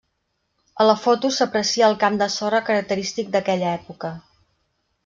A la foto s’aprecia el camp de sorra característic d’aquella època.